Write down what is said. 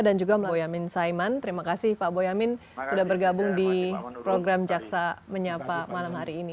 dan juga pak boyamin saiman terima kasih pak boyamin sudah bergabung di program jaksa menyapa malam hari ini